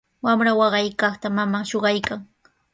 Wamra waqaykaqta maman shuqaykan.